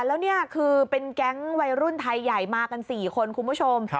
แล้วนี่คือเป็นแก๊งวัยรุ่นไทยใหญ่มากัน๔คนคุณผู้ชม